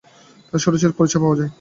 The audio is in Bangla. এতে তাঁর সুরুচির পরিচয় পাওয়া যায়।